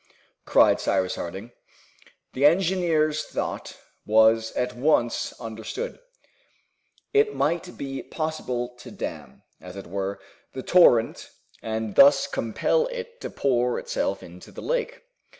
cried Cyrus Harding. The engineer's thought was at once understood. It might be possible to dam, as it were, the torrent, and thus compel it to pour itself into the lake.